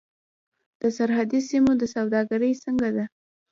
د سرحدي سیمو سوداګري څنګه ده؟